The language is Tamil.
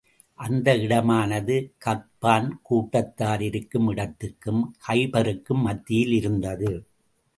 அந்த இடமானது, கத்பான் கூட்டத்தார் இருக்கும் இடத்துக்கும், கைபருக்கும் மத்தியில் இருந்தது.